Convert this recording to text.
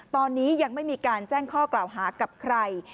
ตอนนี้ยังไม่มีการแจ้งข้อกล่าวหากับใคร